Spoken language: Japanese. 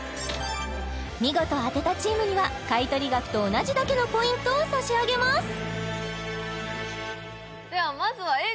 見事当てたチームには買い取り額と同じだけのポイントを差し上げますではまずはＡぇ！